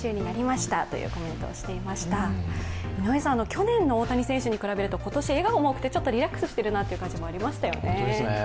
去年の大谷選手に比べると今年は笑顔もあってちょっとリラックスしているという感じもありましたよね。